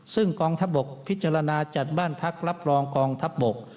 ซึ่งกองทัพบกพิจารณาจัดบ้านพักรับรองกองทัพบก